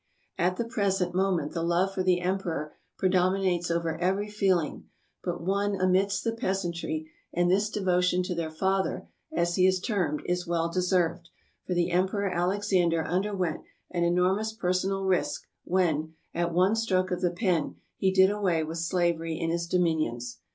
At the pre sent moment the love for the emperor predominates over every feeling but one amidst the peasantry; and this devotion to their Father, as he is termed, is well deserved, for the Em peror Alexander underwent an enormous personal risk when, at one stroke of the pen, he did away with slavery in his dominions.